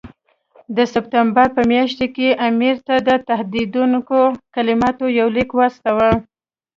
د سپټمبر په میاشت کې یې امیر ته د تهدیدوونکو کلماتو یو لیک واستاوه.